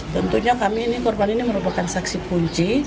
tentunya korban ini merupakan saksi kunci